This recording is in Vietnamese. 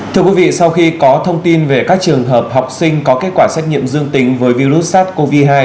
thưa quý vị sau khi có thông tin về các trường hợp học sinh có kết quả xét nghiệm dương tính với virus sars cov hai